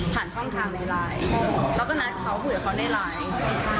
ผ่านช่องทางในไลน์แล้วก็นัดเขาคุยกับเขาในไลน์